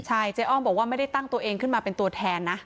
ใช่เจ๊อ้อมบอกว่าไม่ได้ตั้งตัวเองขึ้นมาเป็นตัวแทนนะ